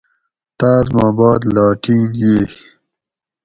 تاۤس ما باد لاٹِین ییئ